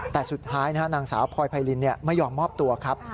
แต่สุดท้ายนางสาวพลอยไพรินไม่ยอมมอบตัวครับ